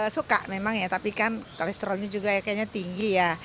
suka memang ya tapi kan kolesterolnya juga ya kayaknya tinggi ya